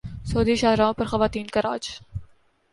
سعودی شاہراہوں پر خواتین کا راج